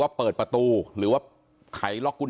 ทางรองศาสตร์อาจารย์ดรอคเตอร์อัตภสิตทานแก้วผู้ชายคนนี้นะครับ